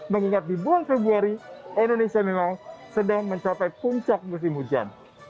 mengingat di bulan februari indonesia memang sedang mencapai puncak musim hujan